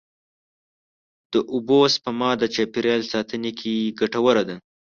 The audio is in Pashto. د اوبو سپما د چاپېریال ساتنې کې ګټوره ده.